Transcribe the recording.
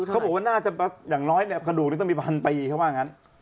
เขาบอกว่าน่าจะอย่างน้อยเนี่ยกระดูกนี้ต้องมีพันปีเขาว่างั้น